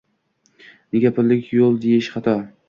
Nega pullik yoʻl deyish xato